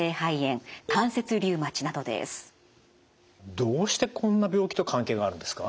どうしてこんな病気と関係があるんですか？